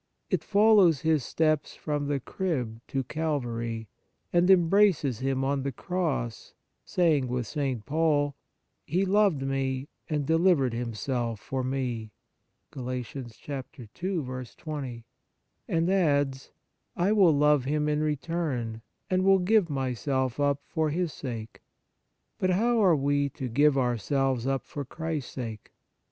It follows His steps from the Crib to Calvary, and em braces Him on the Cross, saying with St. Paul :" He loved me and delivered Himself for me,"* and adds :" I will love Him in return, and will give my self up for His sake." But how are we to give ourselves up for Christ's sake